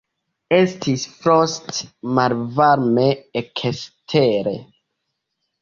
Estis froste malvarme ekstere.